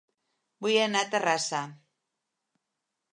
Vull anar a Terrassa